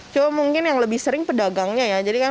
cuma mungkin yang lebih sering pedagangnya ya